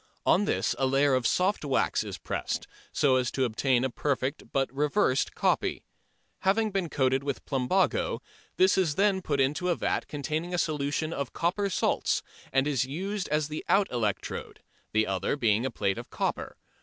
On this a layer of soft wax is pressed, so as to obtain a perfect but reversed copy. Having been coated with plumbago, this is then put into a vat containing a solution of copper salts and is used as the out electrode, the other being a plate of copper.